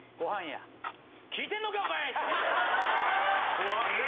・怖っ！